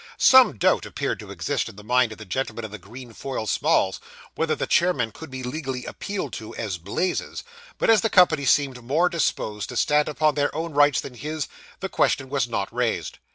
Some doubt appeared to exist in the mind of the gentleman in the green foil smalls, whether the chairman could be legally appealed to, as 'Blazes,' but as the company seemed more disposed to stand upon their own rights than his, the question was not raised.